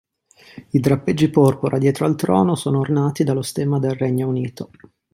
I drappeggi porpora dietro al trono sono ornati dallo stemma del Regno Unito.